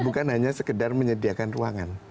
bukan hanya sekedar menyediakan ruangan